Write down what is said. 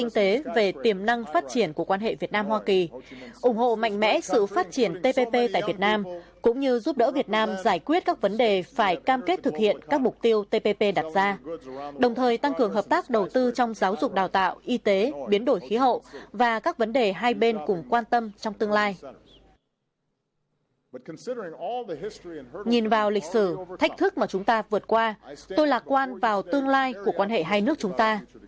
nhìn vào lịch sử thách thức mà chúng ta vượt qua tôi lạc quan vào tương lai của quan hệ hai nước chúng ta